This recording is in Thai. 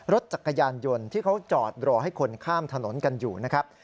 รถจักรยานยนต์ที่เขาจอดรอให้คนข้ามถนนกันอยู่นะครับ